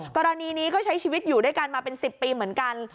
กรณีนี้ก็ใช้ชีวิตอยู่ด้วยกันมาเป็น๑๐ปีเหมือนกัน